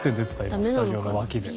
今スタジオの脇で。